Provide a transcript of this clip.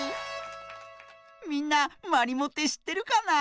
みんなまりもってしってるかな？